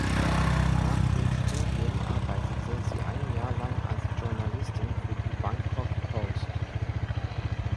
Nach dem Studium arbeitete sie ein Jahr lang als Journalistin für die Bangkok Post.